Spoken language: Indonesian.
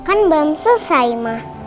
kan belum selesai ma